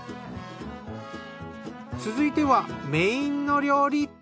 続いてはメインの料理。